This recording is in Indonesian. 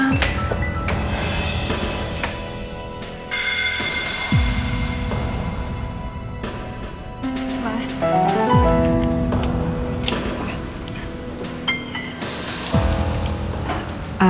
seorang bekommen pitched